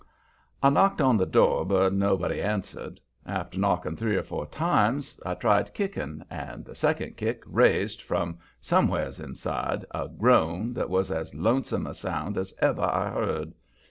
I knocked on the door, but nobody answered. After knocking three or four times, I tried kicking, and the second kick raised, from somewheres inside, a groan that was as lonesome a sound as ever I heard.